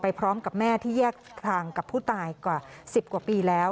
พร้อมกับแม่ที่แยกทางกับผู้ตายกว่า๑๐กว่าปีแล้ว